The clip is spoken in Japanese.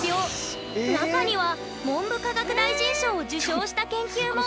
中には文部科学大臣賞を受賞した研究も！